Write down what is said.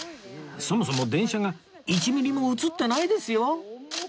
そもそも電車が１ミリも写ってないですよ